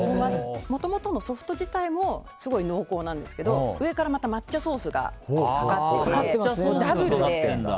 もともとのソフト自体もすごい濃厚なんですけど上からまた抹茶ソースがかかってダブルで。